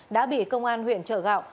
đã bị công an huyện trợ gạo